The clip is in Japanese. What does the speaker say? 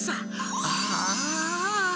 ああ！